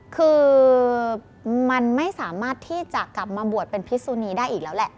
คือมันไม่สามารถที่จะกลับมาบวชเป็นพิสุนีได้อีกแล้วแหละ